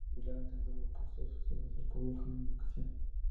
Modigliani tan solo expuso sus obras al público en una ocasión.